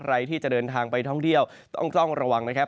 ใครที่จะเดินทางไปท่องเที่ยวต้องระวังนะครับ